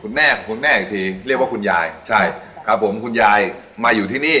คุณแม่ของคุณแม่อีกทีเรียกว่าคุณยายใช่ครับผมคุณยายมาอยู่ที่นี่